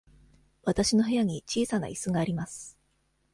わたしの部屋に小さないすがあります。